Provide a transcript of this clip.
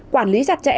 quản lý chặt chẽ